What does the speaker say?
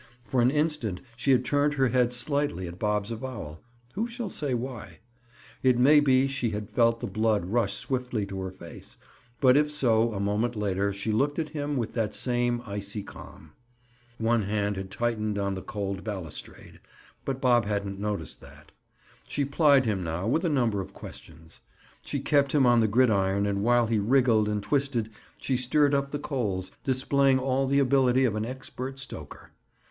For an instant she had turned her head slightly at Bob's avowal—who shall say why? It may be she had felt the blood rush swiftly to her face, but if so a moment later she looked at him with that same icy calm. One hand had tightened on the cold balustrade, but Bob hadn't noticed that. She plied him now with a number of questions. She kept him on the gridiron and while he wriggled and twisted she stirred up the coals, displaying all the ability of an expert stoker.